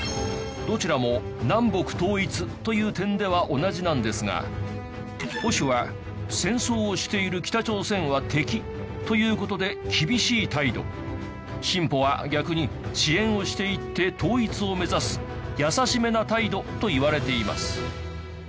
どちらも南北統一という点では同じなんですが保守は戦争をしている北朝鮮は敵という事で厳しい態度進歩は逆に支援をしていって統一を目指す優しめな態度といわれています。